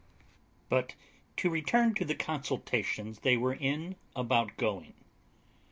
But to return to the consultations they were in about going.